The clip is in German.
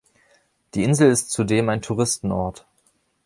Die Insel ist zudem ein Touristenort.